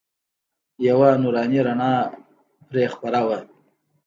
یوه نوراني رڼا پرې خپره وه.